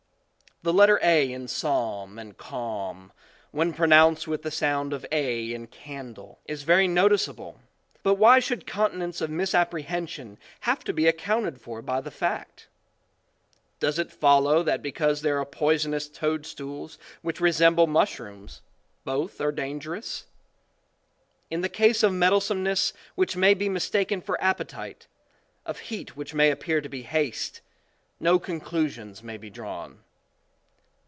The letter "a" in psalm and calm when pronounced with the sound of "a" in candle, is very noticeable but why should continents of misapprehension have to be accounted for by the fact? Does it follow that because there are poisonous toadstools which resemble mushrooms, both are dangerous? In the case of mettlesome ness which may be mistaken for appetite, of heat which may appear to be haste, no con clusions may be drawn.